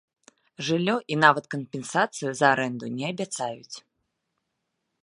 Жыллё і нават кампенсацыю за арэнду не абяцаюць.